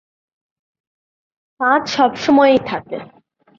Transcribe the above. ফাঁদ সবসময়-ই থাকে।